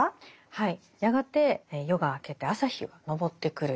やがて夜が明けて朝日が昇ってくる。